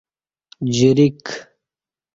جریک